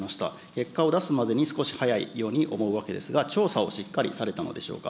結果を出すまでに少し早いように思うわけですが、調査をしっかりされたのでしょうか。